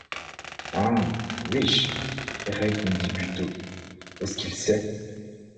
Ah! ouiche ! répondit Buteau, est-ce qu’il sait?